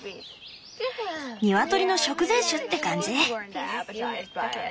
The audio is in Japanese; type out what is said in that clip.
ニワトリの食前酒って感じ？